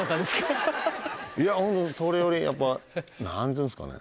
いやそれよりやっぱ何ていうんですかね